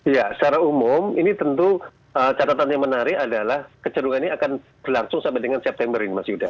ya secara umum ini tentu catatan yang menarik adalah kecerungan ini akan berlangsung sampai dengan september ini mas yuda